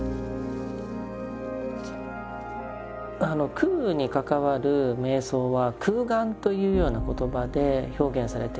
空に関わる瞑想は「空観」というような言葉で表現されています。